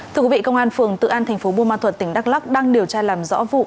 thưa quý vị công an phường tự an thành phố buôn ma thuật tỉnh đắk lắc đang điều tra làm rõ vụ